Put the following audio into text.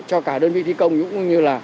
cho cả đơn vị thi công cũng như là